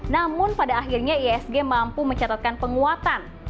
namun pada akhirnya ihsg mampu mencatatkan penguatan